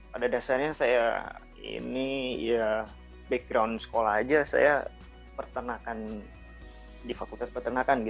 pada dasarnya saya ini ya background sekolah aja saya peternakan di fakultas peternakan